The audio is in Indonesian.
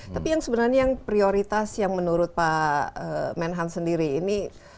tapi yang sebenarnya yang prioritas yang menurut pak menhan sendiri ini